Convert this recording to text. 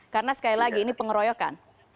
karena sekali lagi ini pengeroyokan